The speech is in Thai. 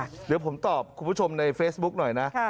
เดี๋ยวผมตอบคุณผู้ชมในเฟซบุ๊กหน่อยนะ